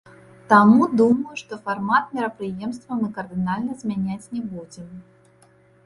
Таму думаю, што фармат мерапрыемства мы кардынальна змяняць не будзем.